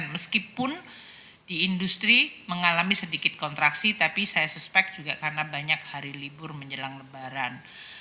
meskipun di industri mengalami sedikit kontraksi tapi saya suspek juga karena banyak hari libur menjelang lebaran